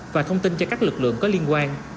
và thông tin cho các lực lượng có liên quan